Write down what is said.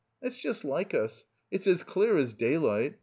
That's just like us, it's as clear as daylight.